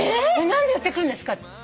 何で寄ってくるんですか？